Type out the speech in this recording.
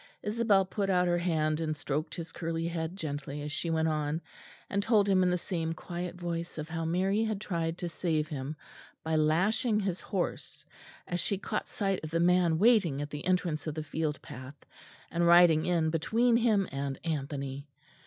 Isabel put out her hand and stroked his curly head gently as she went on, and told him in the same quiet voice of how Mary had tried to save him by lashing his horse, as she caught sight of the man waiting at the entrance of the field path, and riding in between him and Anthony.